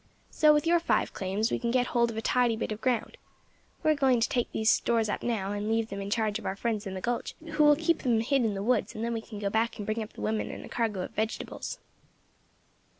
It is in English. So with your five claims we can get hold of a tidy bit of ground. We are going to take these stores up now, and leave them in charge of our friends in the gulch, who will keep them hid in the woods, and then we can go back and bring up the women and a cargo of vegetables."